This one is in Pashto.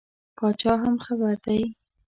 پاچا هم خبر دی.